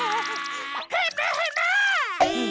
ヘムヘム！